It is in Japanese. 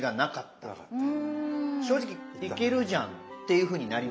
正直いけるじゃんっていうふうになりました。